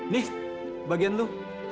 nih bagian lo